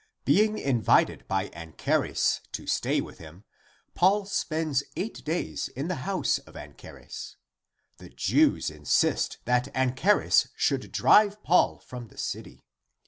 Being invited by Anchares to stay with him, Paul spends eight days in the house of Anchares. The Jews insist that Anchares should drive Paul from the city.